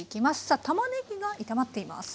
さあたまねぎが炒まっています。